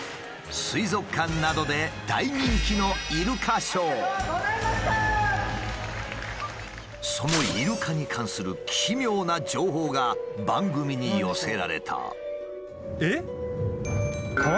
水族館などで大人気のそのイルカに関する奇妙な情報が番組に寄せられた。